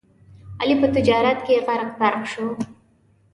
علي په تجارت کې غرق پرق شو.